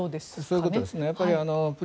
そういうことですね。